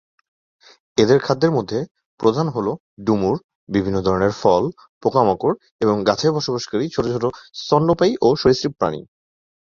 এদের খাদ্যের মধ্যে প্রধান হল ডুমুর, বিভিন্ন ধরনের ফল, পোকামাকড় এবং গাছে বসবাসকারী ছোট ছোট স্তন্যপায়ী ও সরীসৃপ প্রাণী।